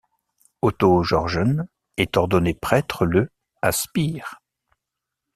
Otto Georgens est ordonné prêtre le à Spire.